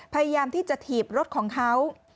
พยายามที่จะถีบรถของเขา